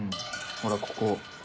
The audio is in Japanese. ほらここ。